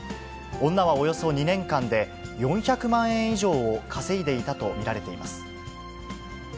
女はおよそ２年間で４００万円以上を稼いでいたと見られています。